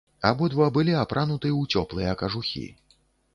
Абодва былі апрануты ў цёплыя кажухі.